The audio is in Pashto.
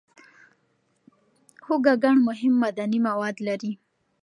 هوږه ګڼ مهم معدني مواد لري.